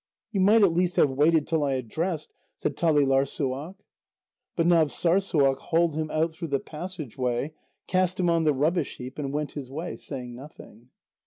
"You might at least have waited till I had dressed," said Talîlarssuaq. But Navssârssuaq hauled him out through the passage way, cast him on the rubbish heap and went his way, saying nothing.